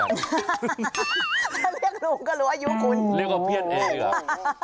ถ้าเรียกลุงก็หรืออายุคุณเรียกว่าเพี้ยนเอครับ